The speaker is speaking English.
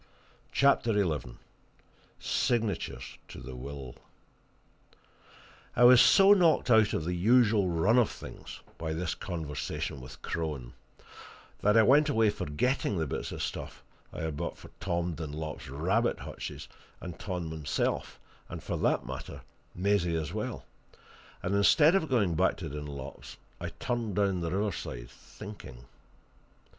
CHAPTER XI SIGNATURES TO THE WILL I was so knocked out of the usual run of things by this conversation with Crone that I went away forgetting the bits of stuff I had bought for Tom Dunlop's rabbit hutches and Tom himself, and, for that matter, Maisie as well; and, instead of going back to Dunlop's, I turned down the riverside, thinking.